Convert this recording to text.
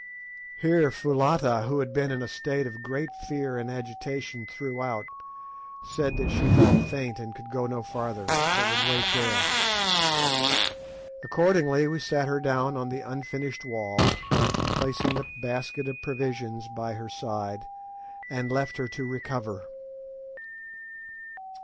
Here Foulata, who had been in a state of great fear and agitation throughout, said that she felt faint and could go no farther, but would wait there. Accordingly we set her down on the unfinished wall, placing the basket of provisions by her side, and left her to recover.